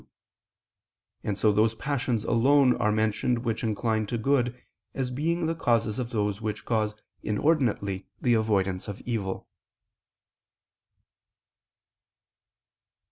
2); and so those passions alone are mentioned which incline to good, as being the causes of those which cause inordinately the avoidance of evil.